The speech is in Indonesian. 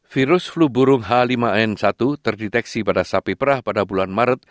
virus flu burung h lima n satu terdeteksi pada sapi perah pada bulan maret